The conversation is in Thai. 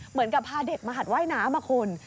เหมือนกับพาเด็กมาหัดว่ายน้ำอ่ะคุณ